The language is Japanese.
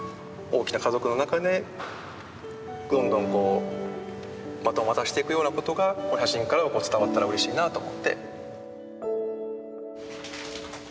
大きな家族の中でどんどんバトンを渡していくようなことがこの写真から伝わったらうれしいなと思って。